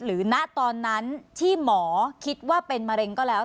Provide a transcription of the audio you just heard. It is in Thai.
ณตอนนั้นที่หมอคิดว่าเป็นมะเร็งก็แล้ว